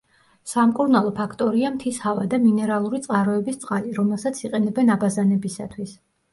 სამკურნალო ფაქტორია მთის ჰავა და მინერალური წყაროების წყალი, რომელსაც იყენებენ აბაზანებისათვის.